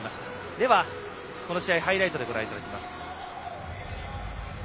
では、この試合をハイライトでご覧いただきます。